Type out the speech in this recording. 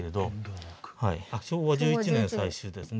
昭和１１年採取ですね。